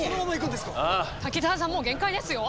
滝沢さんもう限界ですよ。